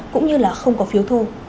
cũng như là không có phiếu thu